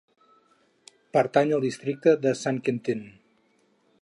Pertany al Districte de Saint-Quentin.